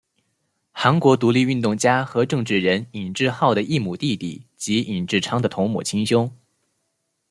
韩国独立运动家和政治人尹致昊的异母弟弟及尹致昌的同母亲兄。